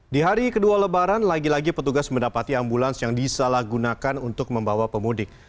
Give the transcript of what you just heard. di hari kedua lebaran lagi lagi petugas mendapati ambulans yang disalahgunakan untuk membawa pemudik